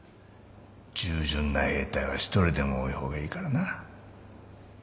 従順な兵隊は一人でも多い方がいいからな。